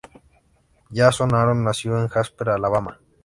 Jason Aaron nació en Jasper, Alabama.